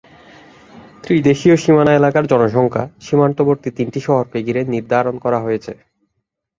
ত্রিদেশীয় সীমানা এলাকার জনসংখ্যা সীমান্তবর্তী তিনটি শহরকে ঘিরে নির্ধারণ করা হয়েছে।